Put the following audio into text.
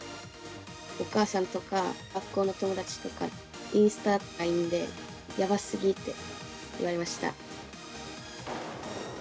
お母さんとか学校の友達とか、インスタやＬＩＮＥで、やばすぎ！って言われました。